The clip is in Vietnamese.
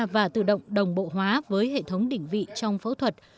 và tự động đồng bộ hóa với hệ thống đỉnh vị trong phẫu thuật